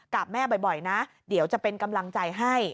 กับแม่บ่อยนะเดี๋ยวจะเป็นกำลังใจให้